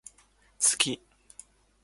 好き